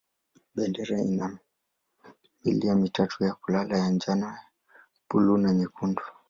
Bendera ina milia mitatu ya kulala ya njano, buluu na nyekundu.